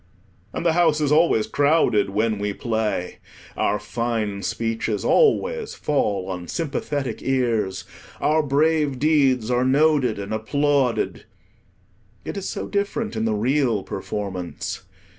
And the house is always crowded when we play. Our fine speeches always fall on sympathetic ears, our brave deeds are noted and applauded. It is so different in the real performance.